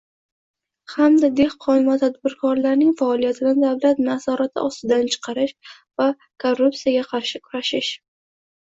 Hamda dehqon va tadbirkorlarning faoliyatini davlat nazorati ostidan chiqarish va korrupsiyaga qarshi kurashish